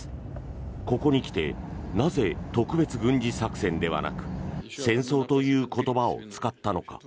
ここに来てなぜ、特別軍事作戦ではなく戦争という言葉を使ったのか。